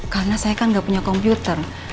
karena saya kan gak punya komputer